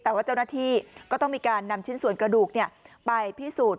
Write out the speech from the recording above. แต่ว่าเจ้าหน้าที่ก็ต้องมีการนำชิ้นส่วนกระดูกไปพิสูจน์